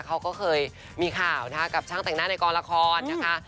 เขาก็เคยมีข่าวนะคะกับช่างแต่งหน้าในกองละครนะคะ